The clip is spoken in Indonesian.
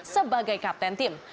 sebagai kapten tim